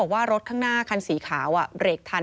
ว่ารถข้างหน้าคันสีขาวเบรกทัน